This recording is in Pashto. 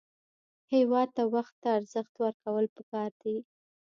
هېواد ته وخت ته ارزښت ورکول پکار دي